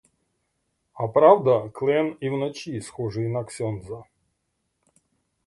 А правда, клен і вночі схожий на ксьондза?